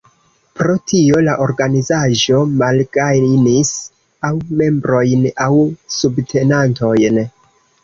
Pro tio, la organizaĵo malgajnis aŭ membrojn aŭ subtenantojn.